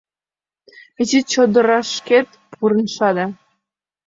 Изи чодырашкет пурышна да